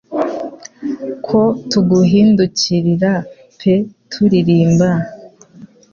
Ko tuguhindukirira pe turirimba